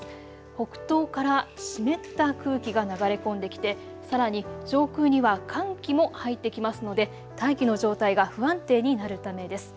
北東から湿った空気が流れ込んできて、さらに上空には寒気も入ってきますので大気の状態が不安定になるためです。